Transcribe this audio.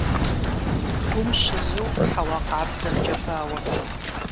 Гум щызу хьэуа къабзэмкӀэ бауэ.